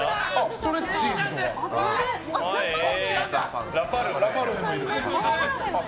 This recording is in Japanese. ストレッチーズとか。